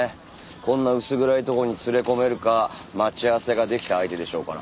こんな薄暗いとこに連れ込めるか待ち合わせができた相手でしょうから。